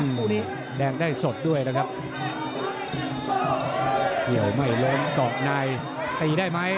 มุมนี้แดงได้สดด้วยนะครับเกี่ยวไม่ลงเกาะในตีได้ไหม